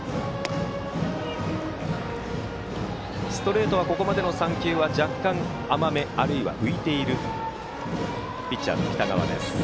ストレートはここまでの３球は若干甘めあるいは浮いているピッチャーの北川です。